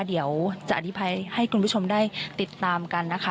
เดี๋ยวจะอธิบายให้คุณผู้ชมได้ติดตามกันนะคะ